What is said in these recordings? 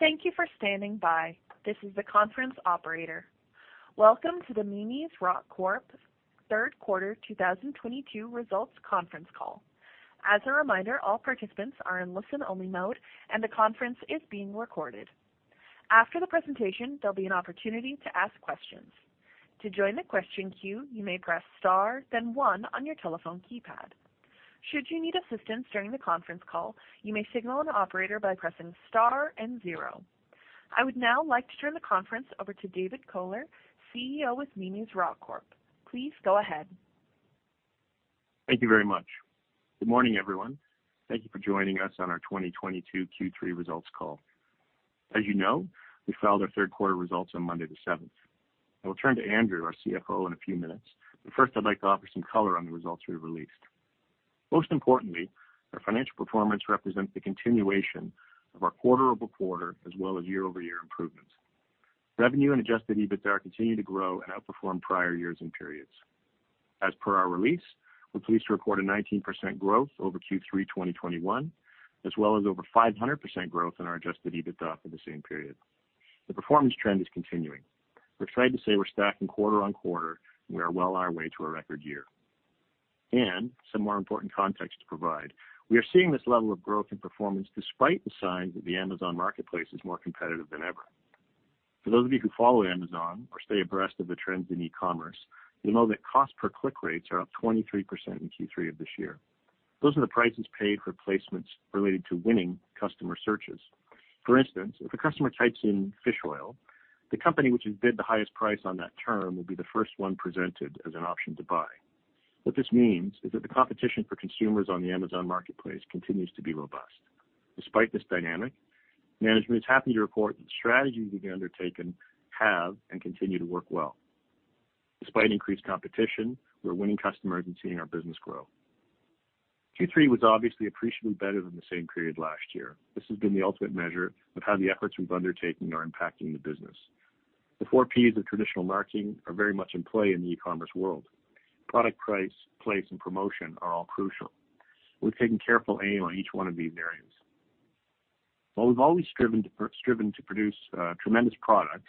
Thank you for standing by. This is the conference operator. Welcome to the Mimi's Rock Corp Third Quarter 2022 Results Conference Call. As a reminder, all participants are in listen-only mode, and the conference is being recorded. After the presentation, there will be an opportunity to ask questions. To join the question queue, you may press star then one on your telephone keypad. Should you need assistance during the conference call, you may signal an operator by pressing star and zero. I would now like to turn the conference over to David Kohler, CEO of Mimi's Rock Corp. Please go ahead. Thank you very much. Good morning, everyone. Thank you for joining us on our 2022 Q3 results call. As you know, we filed our third quarter results on Monday the 7th. I will turn to Andrew, our CFO, in a few minutes, but first, I would like to offer some color on the results we released. Most importantly, our financial performance represents the continuation of our quarter-over-quarter as well as year-over-year improvements. Revenue and adjusted EBITDA continue to grow and outperform prior years and periods. As per our release, we are pleased to report a 19% growth over Q3 2021, as well as over 500% growth in our adjusted EBITDA for the same period. The performance trend is continuing. We are excited to say we are stacking quarter on quarter, and we are well on our way to a record year. And some more important context to provide. We are seeing this level of growth and performance despite the signs that the Amazon Marketplace is more competitive than ever. For those of you who follow Amazon or stay abreast of the trends in e-commerce, you will know that cost per click rates are up 23% in Q3 of this year. Those are the prices paid for placements related to winning customer searches. For instance, if a customer types in fish oil, the company which has bid the highest price on that term will be the first one presented as an option to buy. What this means is that the competition for consumers on the Amazon Marketplace continues to be robust. Despite this dynamic, management is happy to report that the strategies we have been undertaking have and continue to work well. Despite increased competition, we are winning customers and seeing our business grow. Q3 was obviously appreciably better than the same period last year. This has been the ultimate measure of how the efforts we have undertaken are impacting the business. The four P's of traditional marketing are very much in play in the e-commerce world. Product, price, place, and promotion are all crucial. We have taken careful aim on each one of these areas. While we have always striven to produce tremendous products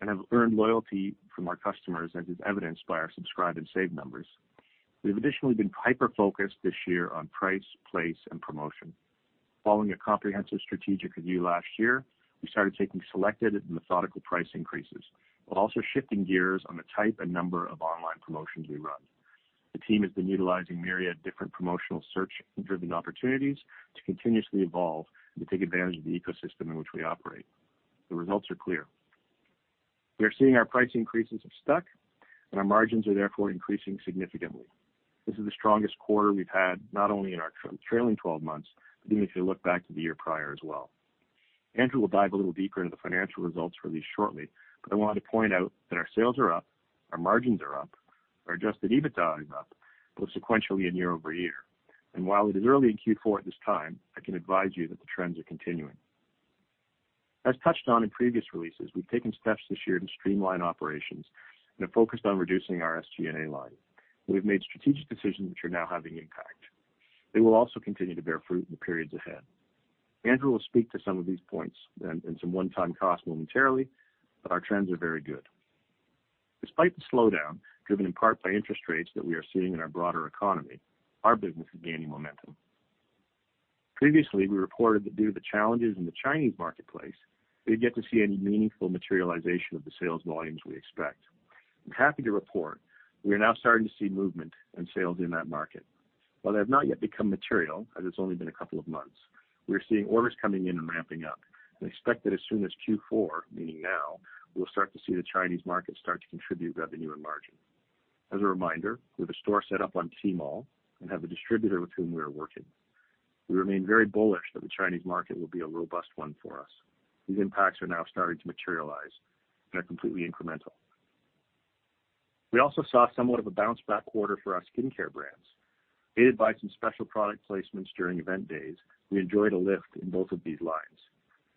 and have earned loyalty from our customers, as is evidenced by our Subscribe & Save numbers, we have additionally been hyper-focused this year on price, place, and promotion. Following a comprehensive strategic review last year, we started taking selected and methodical price increases while also shifting gears on the type and number of online promotions we run. The team has been utilizing myriad different promotional search-driven opportunities to continuously evolve and to take advantage of the ecosystem in which we operate. The results are clear. We are seeing our price increases have stuck, and our margins are therefore increasing significantly. This is the strongest quarter we've had, not only in our trailing 12 months, but even if you look back to the year prior as well. Andrew will dive a little deeper into the financial results released shortly, but I wanted to point out that our sales are up, our margins are up, our adjusted EBITDA is up, both sequentially and year-over-year. While it is early in Q4 at this time, I can advise you that the trends are continuing. As touched on in previous releases, we've taken steps this year to streamline operations and have focused on reducing our SG&A line. We've made strategic decisions which are now having impact. They will also continue to bear fruit in the periods ahead. Andrew will speak to some of these points and some one-time costs momentarily, but our trends are very good. Despite the slowdown driven in part by interest rates that we are seeing in our broader economy, our business is gaining momentum. Previously, we reported that due to the challenges in the Chinese marketplace, we would get to see any meaningful materialization of the sales volumes we expect. I'm happy to report we are now starting to see movement and sales in that market. While they have not yet become material, as it's only been a couple of months, we are seeing orders coming in and ramping up and expect that as soon as Q4, meaning now, we'll start to see the Chinese market start to contribute revenue and margin. As a reminder, we have a store set up on Tmall and have a distributor with whom we are working. We remain very bullish that the Chinese market will be a robust one for us. These impacts are now starting to materialize and are completely incremental. We also saw somewhat of a bounce-back quarter for our skincare brands. Aided by some special product placements during event days, we enjoyed a lift in both of these lines.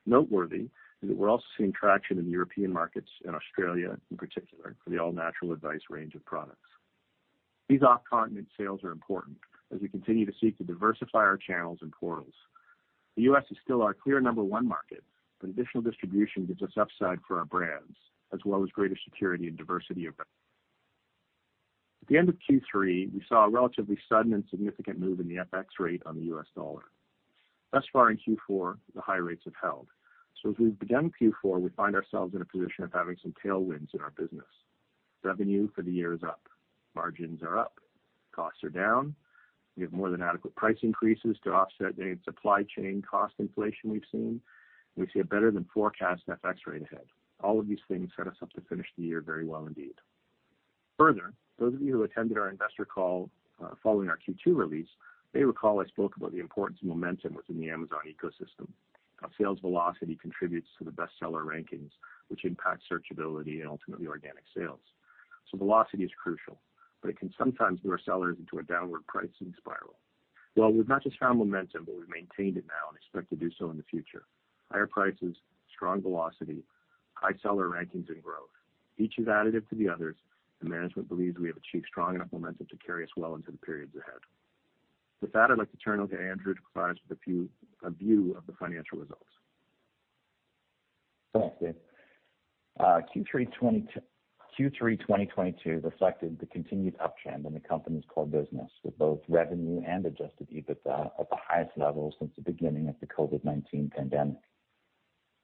Noteworthy is that we're also seeing traction in the European markets and Australia in particular for the All Natural Advice range of products. These off-continent sales are important as we continue to seek to diversify our channels and portals. The U.S. is still our clear number one market, but additional distribution gives us upside for our brands, as well as greater security and diversity of revenue. At the end of Q3, we saw a relatively sudden and significant move in the FX rate on the U.S. dollar. Thus far in Q4, the high rates have held. As we've begun Q4, we find ourselves in a position of having some tailwinds in our business. Revenue for the year is up, margins are up, costs are down, we have more than adequate price increases to offset any supply chain cost inflation we've seen, and we see a better than forecast FX rate ahead. All of these things set us up to finish the year very well indeed. Further, those of you who attended our investor call following our Q2 release may recall I spoke about the importance of momentum within the Amazon ecosystem. Our sales velocity contributes to the Best Seller Rankings, which impact searchability and ultimately organic sales. Velocity is crucial, but it can sometimes lure sellers into a downward pricing spiral. Well, we've not just found momentum, but we've maintained it now and expect to do so in the future. Higher prices, strong velocity, High seller rankings and growth. Each is additive to the others, and management believes we have achieved strong enough momentum to carry us well into the periods ahead. With that, I'd like to turn it over to Andrew to provide us with a view of the financial results. Thanks, David. Q3 2022 reflected the continued uptrend in the company's core business, with both revenue and Adjusted EBITDA at the highest levels since the beginning of the COVID-19 pandemic.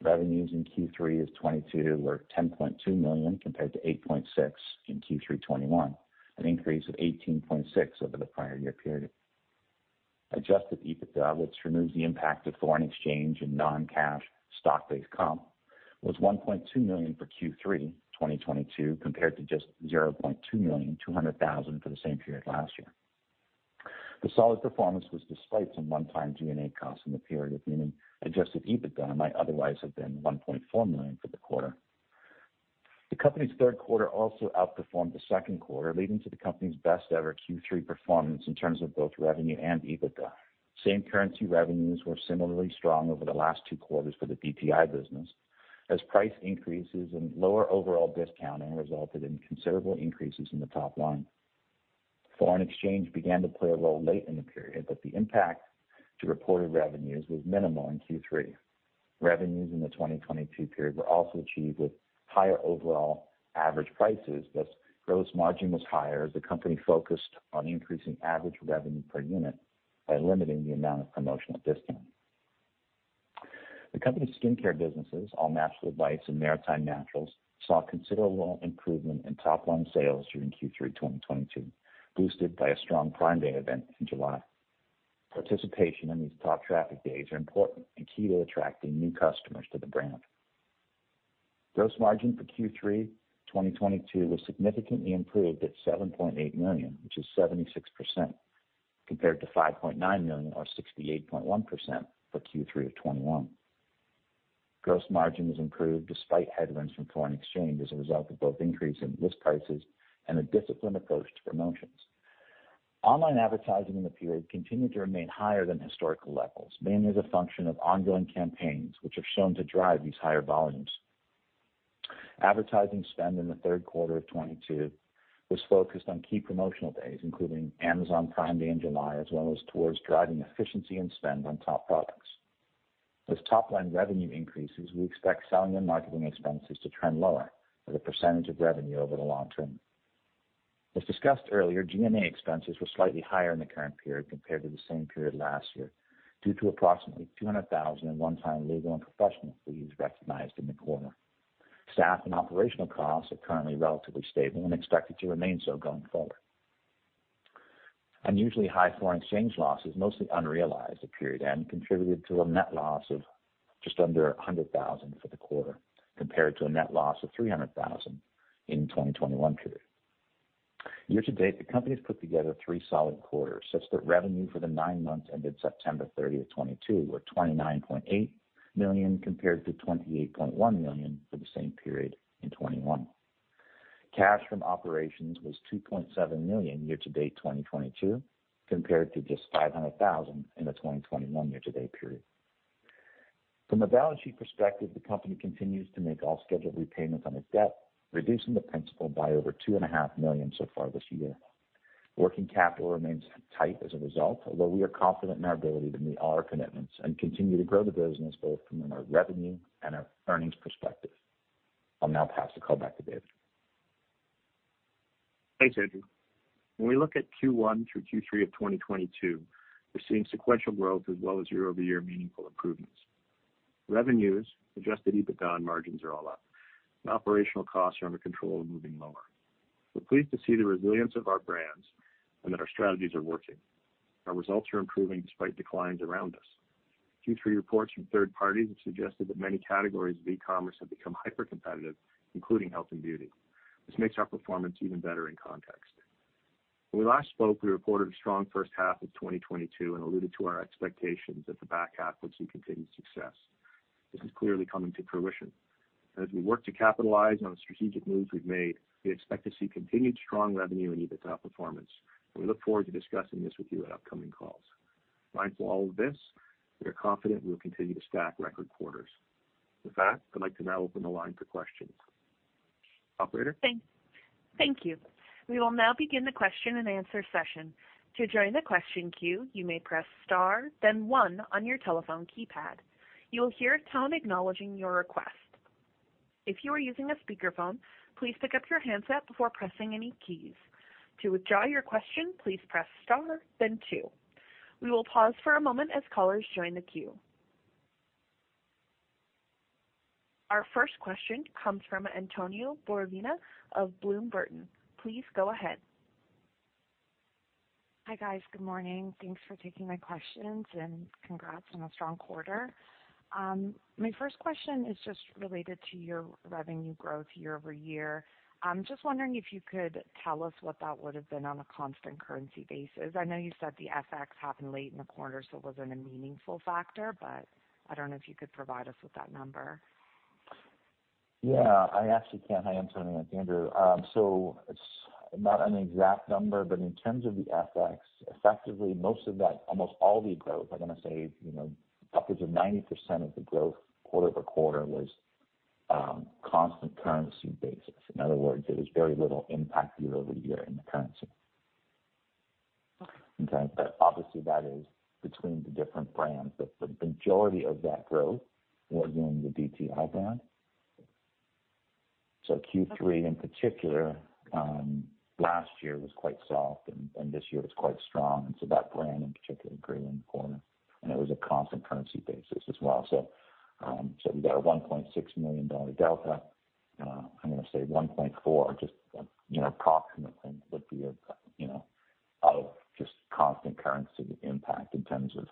Revenues in Q3 of 2022 were 10.2 million compared to 8.6 million in Q3 2021, an increase of 18.6% over the prior year period. Adjusted EBITDA, which removes the impact of foreign exchange and non-cash stock-based comp, was 1.2 million for Q3 2022 compared to just 0.2 million for the same period last year. The solid performance was despite some one-time G&A costs in the period, meaning Adjusted EBITDA might otherwise have been 1.4 million for the quarter. The company's third quarter also outperformed the second quarter, leading to the company's best ever Q3 performance in terms of both revenue and EBITDA. Same currency revenues were similarly strong over the last two quarters for the BTI business, as price increases and lower overall discounting resulted in considerable increases in the top line. Foreign exchange began to play a role late in the period, but the impact to reported revenues was minimal in Q3. Revenues in the 2022 period were also achieved with higher overall average prices, thus gross margin was higher as the company focused on increasing average revenue per unit by limiting the amount of promotional discount. The company's skincare businesses, All Natural Advice and Maritime Naturals, saw considerable improvement in top-line sales during Q3 2022, boosted by a strong Prime Day event in July. Participation in these top traffic days are important and key to attracting new customers to the brand. Gross margin for Q3 2022 was significantly improved at 7.8 million, which is 76%, compared to 5.9 million or 68.1% for Q3 of 2021. Gross margin has improved despite headwinds from foreign exchange as a result of both increase in list prices and a disciplined approach to promotions. Online advertising in the period continued to remain higher than historical levels, mainly as a function of ongoing campaigns which are shown to drive these higher volumes. Advertising spend in the third quarter of 2022 was focused on key promotional days, including Amazon Prime Day in July, as well as towards driving efficiency and spend on top products. With top-line revenue increases, we expect selling and marketing expenses to trend lower as a percentage of revenue over the long term. As discussed earlier, G&A expenses were slightly higher in the current period compared to the same period last year, due to approximately 200,000 in one-time legal and professional fees recognized in the quarter. Staff and operational costs are currently relatively stable and expected to remain so going forward. Unusually high foreign exchange losses, mostly unrealized at period end, contributed to a net loss of just under 100,000 for the quarter, compared to a net loss of 300,000 in 2021 period. Year-to-date, the company's put together three solid quarters such that revenue for the nine months ended September 30, 2022, were 29.8 million compared to 28.1 million for the same period in 2021. Cash from operations was 2.7 million year-to-date 2022 compared to just 500,000 in the 2021 year-to-date period. From a balance sheet perspective, the company continues to make all scheduled repayments on its debt, reducing the principal by over two and a half million so far this year. Working capital remains tight as a result, although we are confident in our ability to meet our commitments and continue to grow the business both from a revenue and an earnings perspective. I'll now pass the call back to David. Thanks, Andrew. When we look at Q1 through Q3 of 2022, we're seeing sequential growth as well as year-over-year meaningful improvements. Revenues, adjusted EBITDA and margins are all up. Operational costs are under control and moving lower. We're pleased to see the resilience of our brands and that our strategies are working. Our results are improving despite declines around us. Q3 reports from third parties have suggested that many categories of e-commerce have become hypercompetitive, including health and beauty. This makes our performance even better in context. When we last spoke, we reported a strong first half of 2022 and alluded to our expectations that the back half would see continued success. This is clearly coming to fruition. As we work to capitalize on the strategic moves we've made, we expect to see continued strong revenue and EBITDA performance. We look forward to discussing this with you at upcoming calls. In light of all of this, we are confident we will continue to stack record quarters. With that, I'd like to now open the line for questions. Operator? Thank you. We will now begin the question and answer session. To join the question queue, you may press star then one on your telephone keypad. You will hear a tone acknowledging your request. If you are using a speakerphone, please pick up your handset before pressing any keys. To withdraw your question, please press star then two. We will pause for a moment as callers join the queue. Our first question comes from Antonia Borovina of Bloom Burton. Please go ahead. Hi, guys. Good morning. Thanks for taking my questions and congrats on a strong quarter. My first question is just related to your revenue growth year-over-year. I'm just wondering if you could tell us what that would've been on a constant currency basis. I know you said the FX happened late in the quarter so it wasn't a meaningful factor, but I don't know if you could provide us with that number. I actually can. Hi, Antonia. It's Andrew. Not an exact number, but in terms of the FX, effectively, most of that, almost all the growth, I'm going to say, upwards of 90% of the growth quarter-over-quarter was constant currency basis. In other words, there was very little impact year-over-year in the currency. Okay. In terms of Obviously, that is between the different brands, but the majority of that growth was in the Dr. Tobias brand. Q3 in particular, last year was quite soft and this year was quite strong. That brand, in particular, grew in the quarter, and it was a constant currency basis as well. We got a 1.6 million dollar delta. I'm going to say 1.4 million, just approximately would be of just constant currency impact in terms of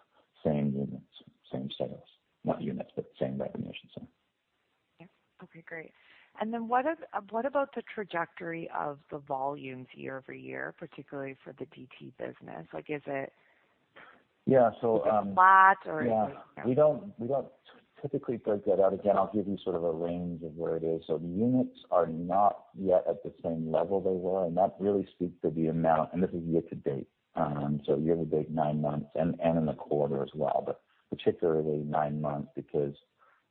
same units, same sales. Not units, but same recognition, sorry. Yeah. Okay, great. What about the trajectory of the volumes year-over-year, particularly for the DT business? Yeah. Is it flat or like- Yeah, we don't typically break that out. Again, I'll give you sort of a range of where it is. The units are not yet at the same level they were, and that really speaks to the amount, and this is year-to-date. Year-to-date, nine months, and in the quarter as well, but particularly nine months, because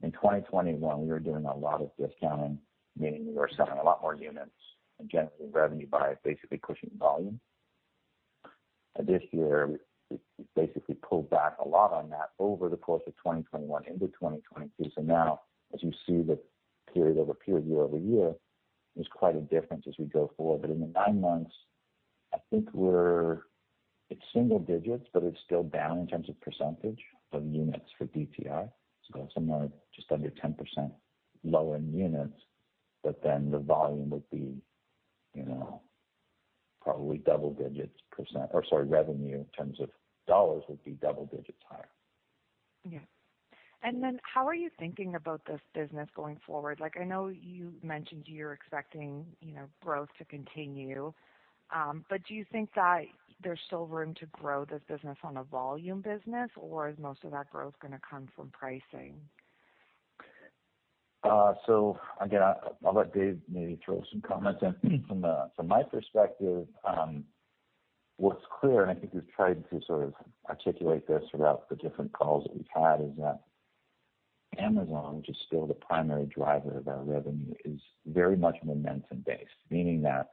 in 2021, we were doing a lot of discounting, meaning we were selling a lot more units and generating revenue by basically pushing volume. This year, we basically pulled back a lot on that over the course of 2021 into 2022. Now as you see the period-over-period, year-over-year, there's quite a difference as we go forward. In the nine months, I think it's single digits, but it's still down in terms of percentage of units for DT. Somewhere just under 10% low in units, but then revenue in terms of dollars would be double digits higher. How are you thinking about this business going forward? I know you mentioned you're expecting growth to continue. Do you think that there's still room to grow this business on a volume business, or is most of that growth going to come from pricing? Again, I'll let Dave maybe throw some comments in. From my perspective, what's clear, and I think we've tried to sort of articulate this throughout the different calls that we've had, is that Amazon, which is still the primary driver of our revenue, is very much momentum-based. Meaning that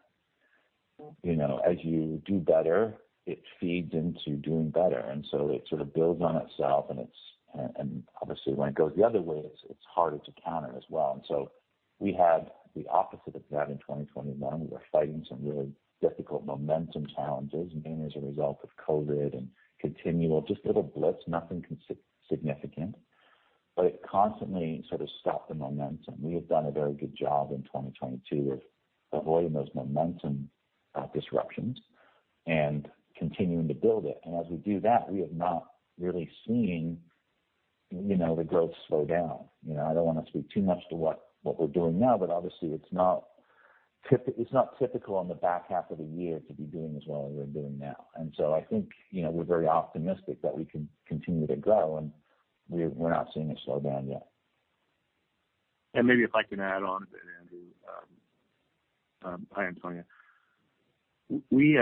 as you do better, it feeds into doing better, and so it sort of builds on itself and obviously when it goes the other way, it's harder to counter as well. We had the opposite of that in 2021. We were fighting some really difficult momentum challenges, mainly as a result of COVID and continual just little blitz, nothing significant, but it constantly sort of stopped the momentum. We have done a very good job in 2022 of avoiding those momentum disruptions and continuing to build it. As we do that, we have not really seen the growth slow down. I don't want to speak too much to what we're doing now, but obviously it's not typical in the back half of the year to be doing as well as we're doing now. I think, we're very optimistic that we can continue to grow, and we're not seeing a slowdown yet. Maybe if I can add on a bit, Andrew. Hi, Antonia. We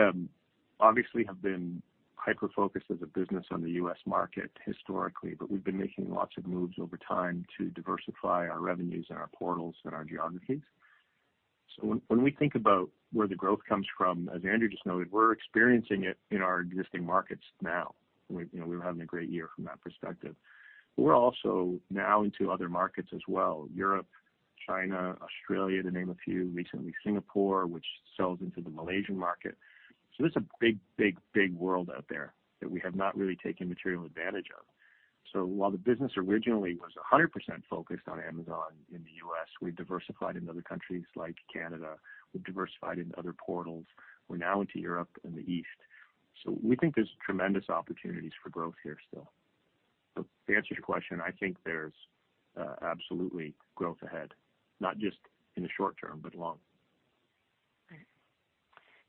obviously have been hyper-focused as a business on the U.S. market historically, but we've been making lots of moves over time to diversify our revenues and our portals and our geographies. When we think about where the growth comes from, as Andrew just noted, we're experiencing it in our existing markets now. We're having a great year from that perspective. We're also now into other markets as well, Europe, China, Australia, to name a few. Recently Singapore, which sells into the Malaysian market. There's a big world out there that we have not really taken material advantage of. While the business originally was 100% focused on Amazon in the U.S., we've diversified into other countries like Canada. We've diversified into other portals. We're now into Europe and the East. We think there's tremendous opportunities for growth here still. To answer your question, I think there's absolutely growth ahead, not just in the short term, but long.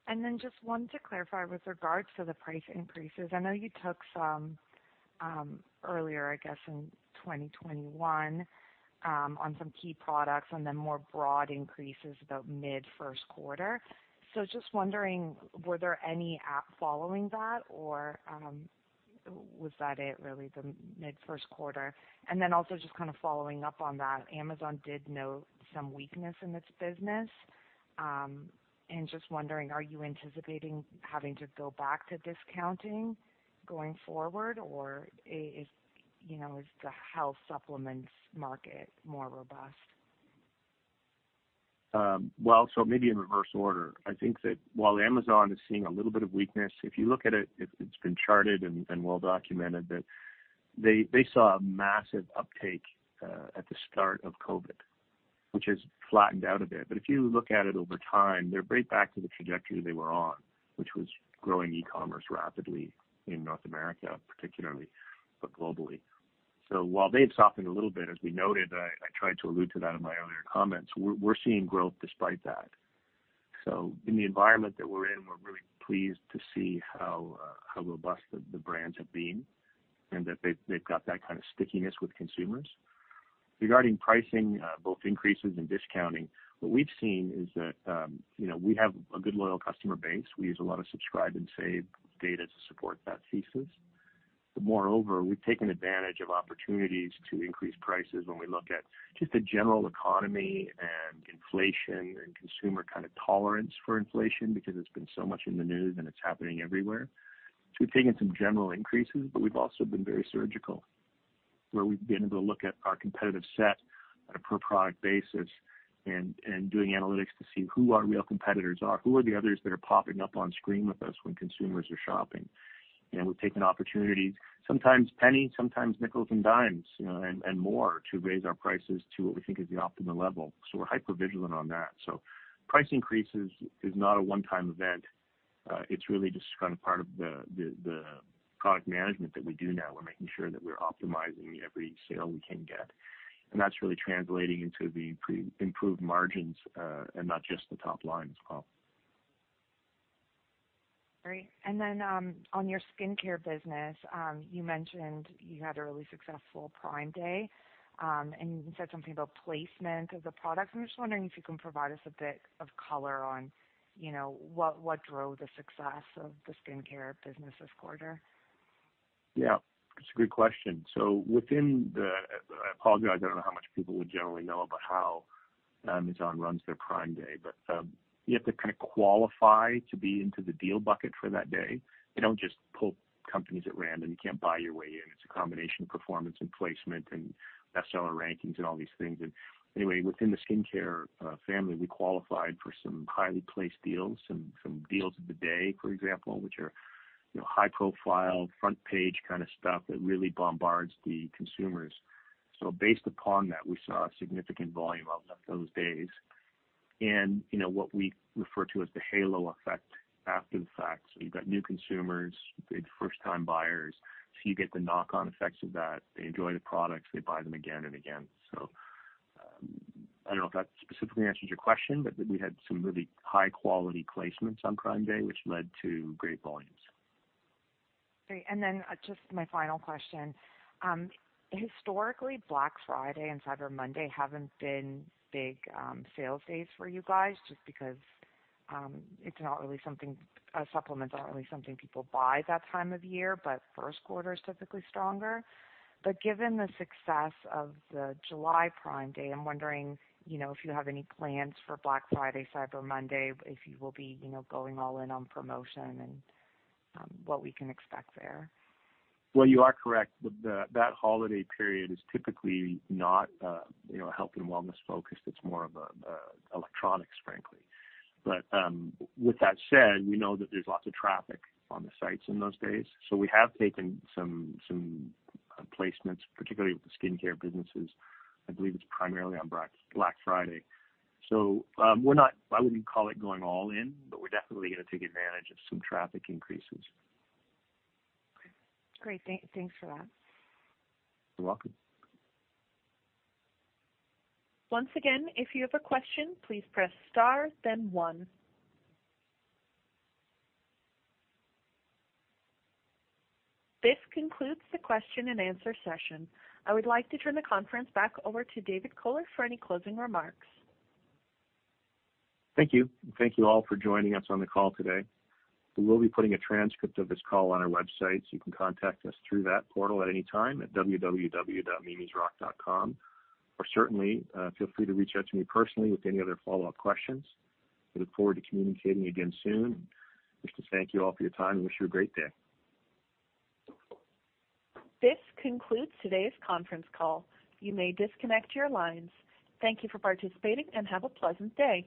Right. Just one to clarify with regards to the price increases. I know you took some earlier, I guess, in 2021, on some key products and then more broad increases about mid first quarter. Just wondering, were there any following that or was that it really the mid first quarter? Also just kind of following up on that, Amazon did note some weakness in this business. Just wondering, are you anticipating having to go back to discounting going forward, or is the health supplements market more robust? Well, maybe in reverse order. I think that while Amazon is seeing a little bit of weakness, if you look at it's been charted and well documented that they saw a massive uptake at the start of COVID, which has flattened out a bit. If you look at it over time, they're right back to the trajectory they were on, which was growing e-commerce rapidly in North America particularly, but globally. While they've softened a little bit, as we noted, I tried to allude to that in my earlier comments, we're seeing growth despite that. Pleased to see how robust the brands have been, and that they've got that kind of stickiness with consumers. Regarding pricing, both increases and discounting, what we've seen is that we have a good loyal customer base. We use a lot of Subscribe & Save data to support that thesis. Moreover, we've taken advantage of opportunities to increase prices when we look at just the general economy and inflation and consumer tolerance for inflation, because it's been so much in the news and it's happening everywhere. We've taken some general increases, but we've also been very surgical, where we've been able to look at our competitive set on a per product basis and doing analytics to see who our real competitors are, who are the others that are popping up on screen with us when consumers are shopping. We've taken opportunities, sometimes penny, sometimes nickels and dimes, and more to raise our prices to what we think is the optimal level. We're hypervigilant on that. Price increases is not a one-time event. It's really just part of the product management that we do now. We're making sure that we're optimizing every sale we can get. That's really translating into the improved margins, not just the top line as well. Great. Then, on your skincare business, you mentioned you had a really successful Prime Day. You said something about placement of the products. I'm just wondering if you can provide us a bit of color on what drove the success of the skincare business this quarter. Yeah. That's a good question. I apologize, I don't know how much people would generally know about how Amazon runs their Prime Day, but you have to qualify to be into the deal bucket for that day. They don't just pull companies at random. You can't buy your way in. It's a combination of performance and placement and Best Seller Rankings and all these things. Anyway, within the skincare family, we qualified for some highly placed deals, some deals of the day, for example, which are high profile, front page kind of stuff that really bombards the consumers. Based upon that, we saw a significant volume out of those days. What we refer to as the halo effect after the fact. You've got new consumers, big first time buyers. You get the knock-on effects of that. They enjoy the products, they buy them again and again. I don't know if that specifically answers your question, but we had some really high-quality placements on Prime Day, which led to great volumes. Great. Then just my final question. Historically, Black Friday and Cyber Monday haven't been big sales days for you guys just because supplements aren't really something people buy that time of year, but first quarter is typically stronger. Given the success of the July Prime Day, I'm wondering if you have any plans for Black Friday, Cyber Monday, if you will be going all in on promotion and what we can expect there. Well, you are correct. That holiday period is typically not health and wellness focused. It's more of electronics, frankly. With that said, we know that there's lots of traffic on the sites in those days. We have taken some placements, particularly with the skincare businesses. I believe it's primarily on Black Friday. I wouldn't call it going all in, but we're definitely going to take advantage of some traffic increases. Okay. Great. Thanks for that. You're welcome. Once again, if you have a question, please press star, then one. This concludes the question and answer session. I would like to turn the conference back over to David Kohler for any closing remarks. Thank you. Thank you all for joining us on the call today. We will be putting a transcript of this call on our website. You can contact us through that portal at any time at www.mimisrock.com. Certainly, feel free to reach out to me personally with any other follow-up questions. I look forward to communicating again soon. Just to thank you all for your time and wish you a great day. This concludes today's conference call. You may disconnect your lines. Thank you for participating and have a pleasant day.